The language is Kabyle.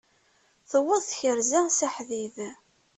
Tuweḍ tkerza s aḥdid!